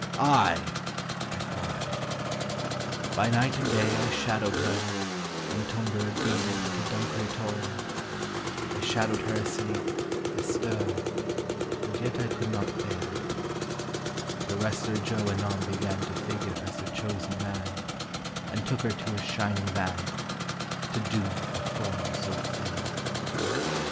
"Ay!" I cried. By night and day I shadowed her From Toneborough Deane to Dunkery Tor, I shadowed her asleep, astir, And yet I could not bear— Till Wrestler Joe anon began To figure as her chosen man, And took her to his shining van— To doom a form so fair!